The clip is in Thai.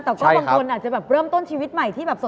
ม้างคนอาจจะเปิดต้นชีวิตใหม่ที่สดใสเลยนะ